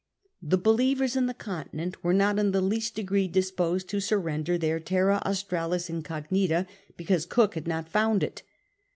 The believers in the continent were not in the least degree disposed to surrender their Terra Australis Incognita because Cook had not found it.